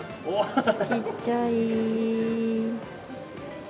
ちっちゃいー。